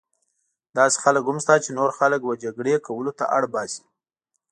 داسې خلک هم شته چې نور خلک وه جګړې کولو ته اړ باسي.